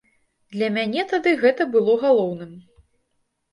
Для мяне тады гэта было галоўным.